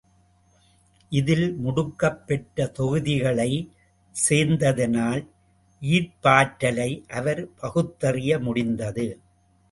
இதில் முடுக்கப் பெற்ற தொகுதிகளைச் சேர்ந்ததனால் ஈர்ப்பாற்றலை அவர் பகுத்தறிய முடிந்தது.